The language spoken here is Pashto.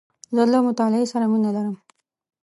زه له مطالعې سره مینه لرم .